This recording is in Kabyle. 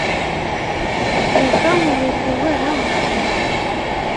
Yuba ur ili ara ṛṛeḥma.